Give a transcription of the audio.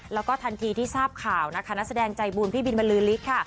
แล้วก็ทันทีที่ทราบข่าวนะคะนักแสดงใจบุญพี่บินบรือฤทธิ์ค่ะ